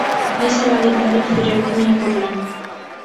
নিসার আলি বাড়ি ফিরে ঘুমিয়ে পড়লেন।